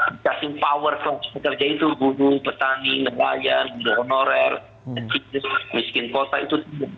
dikasih power ke pekerjaan itu budu petani ngerayan budu honorer miskin kota itu